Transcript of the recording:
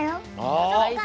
わかった。